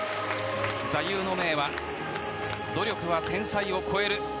座右の銘は努力は天才を超える。